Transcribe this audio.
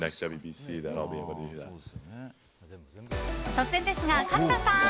突然ですが、角田さん！